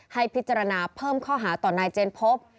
ให้พิจารณาเพิ่มข้อหาต่อนายเจนพบ